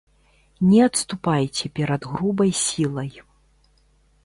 Не адступайце перад грубай сілай.